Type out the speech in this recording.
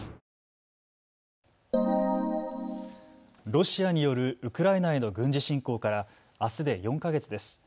ロシアによるウクライナへの軍事侵攻からあすで４か月です。